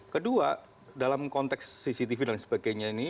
kedua dalam konteks cctv dan sebagainya ini